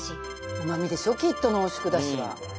うまみですよきっと濃縮だしは。